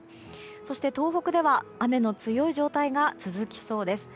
そして、東北では雨の強い状態が続きそうです。